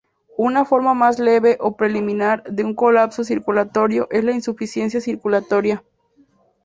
Una forma más leve o preliminar de un colapso circulatorio es la insuficiencia circulatoria.